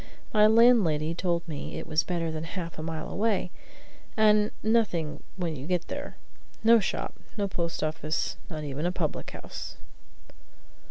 My landlady told me it was better than half a mile away, and "nothing when you get there; no shop; no post office; not even a public house."